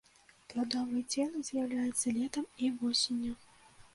Пладовыя целы з'яўляюцца летам і восенню.